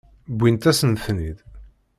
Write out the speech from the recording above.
Wwint-asen-ten-id.